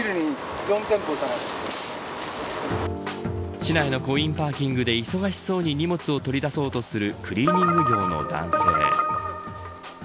市内のコインパーキングで忙しそうに荷物を取り出そうとするクリーニング業の男性。